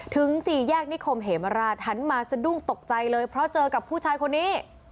ถึงสี่แยกนิคมเหมราชหันมาสะดุ้งตกใจเลยเพราะเจอกับผู้ชายคนนี้